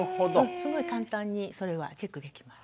すごい簡単にそれはチェックできます。